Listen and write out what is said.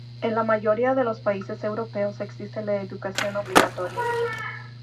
En la mayoría de los países europeos existe la educación obligatoria.